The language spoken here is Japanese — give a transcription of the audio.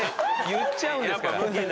言っちゃうんですから。